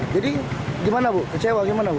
jadi gimana bu kecewa gimana bu